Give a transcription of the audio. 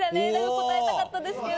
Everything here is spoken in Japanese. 答えたかったですけれども。